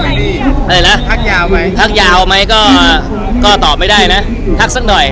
เหมือนกันอะไรละพักยาวไหมพักยาวไหมก็ก็ตอบไม่ได้นะพักสักหน่อย